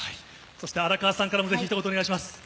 荒川さんからも、ひと言お願いします。